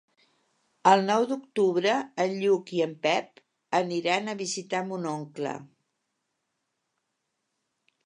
El nou d'octubre en Lluc i en Pep aniran a visitar mon oncle.